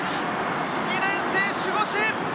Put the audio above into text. ２年生守護神！